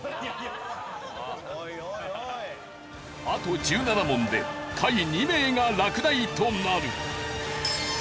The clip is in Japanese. あと１７問で下位２名が落第となる。